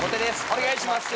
お願いします。